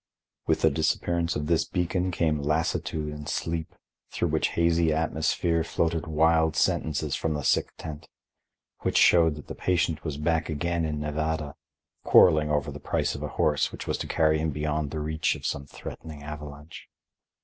With the disappearance of this beacon came lassitude and sleep, through whose hazy atmosphere floated wild sentences from the sick tent, which showed that the patient was back again in Nevada, quarreling over the price of a horse which was to carry him beyond the reach of some threatening avalanche.